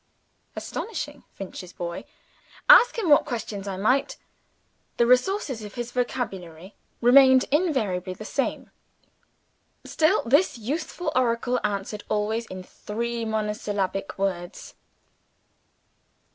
Astonishing Finch's boy! Ask him what questions I might, the resources of his vocabulary remained invariably the same. Still this youthful Oracle answered always in three monosyllabic words!